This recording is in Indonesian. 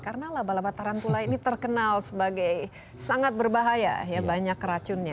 karena laba laba tarantula ini terkenal sebagai sangat berbahaya banyak racunnya